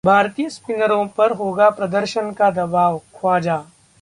भारतीय स्पिनरों पर होगा प्रदर्शन का दबावः ख्वाजा